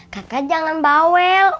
kakak jangan bawel